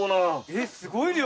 えっすごい量。